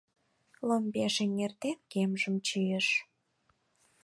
Ломбеш эҥертен, кемжым чийыш.